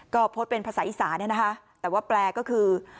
ก็โพสต์เป็นภาษาอีสานเนี่ยนะคะแต่ว่าแปลก็คือ